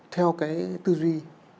theo cái tư duy